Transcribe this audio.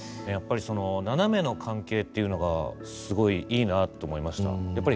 ナナメの関係っていうのがすごいいいなと思いました。